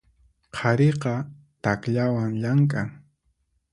Qhariqa takllawan llamk'an.